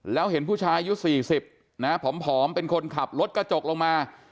แล้วเห็นผู้ชายอายุ๔๐นะผอมเป็นคนขับรถกระจกลงมา